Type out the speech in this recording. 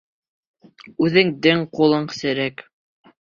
Үҙеңдең ҡулың серек!